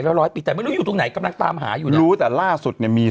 แล้วร้อยปีแต่ไม่รู้อยู่ตรงไหนกำลังตามหาอยู่รู้แต่ล่าสุดเนี่ยมี